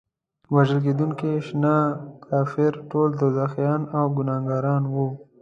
وژل کېدونکي شنه کفار ټول دوزخیان او ګناهګاران وو.